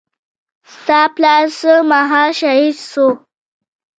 ستا پلار څه مهال شهيد سو.